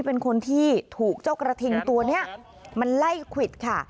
เป็นคนที่ถูกเจ้ากระทิงตัวนี้มันไล่ควิดค่ะ